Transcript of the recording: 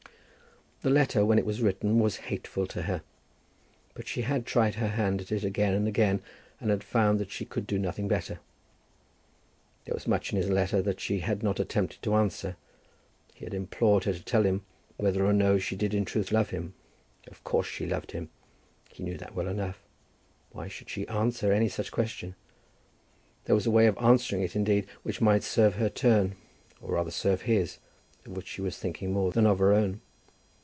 The letter when it was written was hateful to her; but she had tried her hand at it again and again, and had found that she could do nothing better. There was much in his letter that she had not attempted to answer. He had implored her to tell him whether or no she did in truth love him. Of course she loved him. He knew that well enough. Why should she answer any such question? There was a way of answering it indeed which might serve her turn, or rather serve his, of which she was thinking more than of her own.